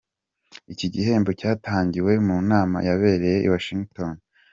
Iki gihembo cyatangiwe mu nama yabereye i Washington D.